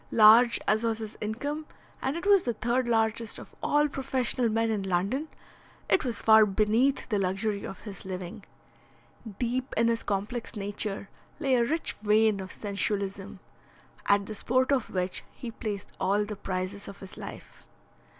Large as was his income, and it was the third largest of all professional men in London, it was far beneath the luxury of his living. Deep in his complex nature lay a rich vein of sensualism, at the sport of which he placed all the prizes of his life.